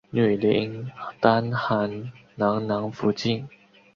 女林丹汗囊囊福晋。